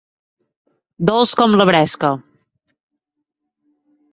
Dolç com la bresca.